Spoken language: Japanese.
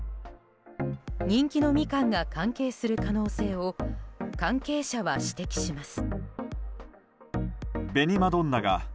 人気のミカンが関係する可能性を関係者は指摘します。